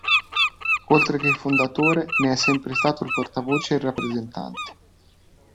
Oltre che fondatore, ne è sempre stato il portavoce e il rappresentante.